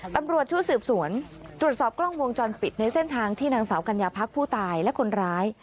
ตำรวจชุดสืบสวนตรวจสอบกล้องวงจรปิดในเส้นทางที่นางสาวกัญญาพักผู้ตายและคนร้าย